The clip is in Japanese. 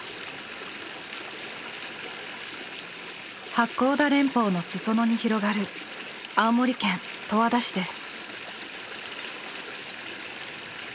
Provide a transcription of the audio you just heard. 八甲田連峰の裾野に広がる青森県十和田市です。